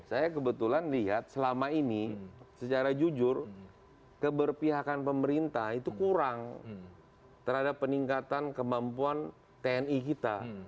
saya kebetulan lihat selama ini secara jujur keberpihakan pemerintah itu kurang terhadap peningkatan kemampuan tni kita